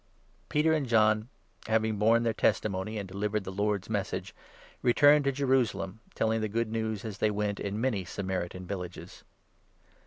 Peter and John, having borne their testimony and delivered the Lord's Message, returned to Jerusalem, telling the Good News, as they went, in many Samaritan villages.